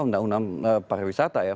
undang undang pariwisata ya